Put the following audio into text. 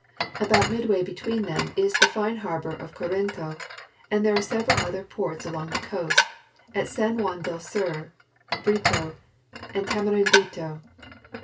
About midway between them is the fine harbor of Corinto, and there are also several other ports along the coast, at San Juan del Sur, Brito and Tamarindito.